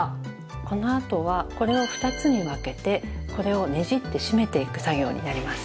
この後はこれを２つに分けてこれをねじって絞めていく作業になります。